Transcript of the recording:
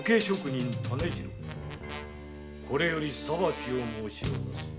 これより裁きを申し渡す。